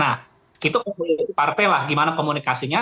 nah itu komunikasi partai lah gimana komunikasinya